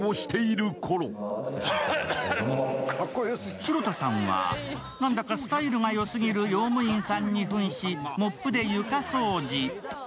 城田さんは、何だかスタイルがよすぎる用務員さんに扮し、モップで床掃除。